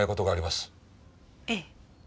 ええ。